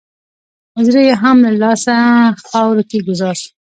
زړه یې هم له لاسه خاورو کې ګوزار شو.